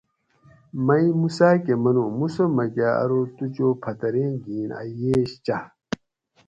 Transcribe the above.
میٔں موسیٰ کہ منو موسیٰ میکہ ارو تو چو پترییٔں گین اۤ ییش چاۤ